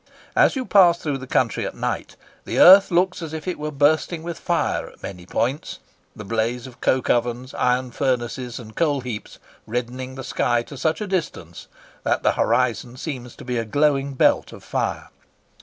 As you pass through the country at night, the earth looks as if it were bursting with fire at many points; the blaze of coke ovens, iron furnaces, and coal heaps reddening the sky to such a distance that the horizon seems to be a glowing belt of fire.